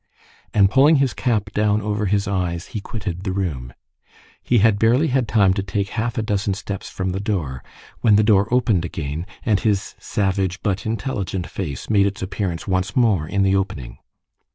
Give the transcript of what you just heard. And pulling his cap down over his eyes, he quitted the room. He had barely had time to take half a dozen steps from the door, when the door opened again, and his savage but intelligent face made its appearance once more in the opening.